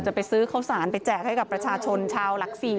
ไปซื้อข้าวสารไปแจกให้กับประชาชนชาวหลักศรี